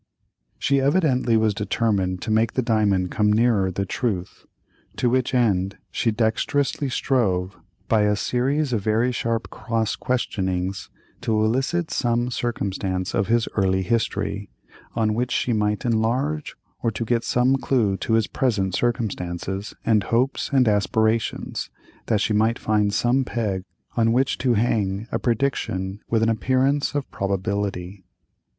She evidently was determined to make the diamond come nearer the truth—to which end she dexterously strove by a series of very sharp cross questionings to elicit some circumstance of his early history, on which she might enlarge, or to get some clue to his present circumstances, and hopes, and aspirations, that she might find some peg on which to hang a prediction with an appearance of probability.